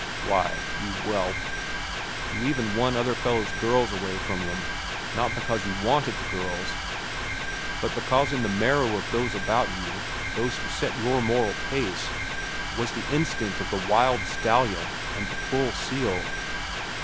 Why, you whelp, you even won other fellows' girls away from them, not because you wanted the girls, but because in the marrow of those about you, those who set your moral pace, was the instinct of the wild stallion and the bull seal.